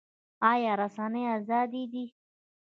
آیا رسنۍ ازادې دي؟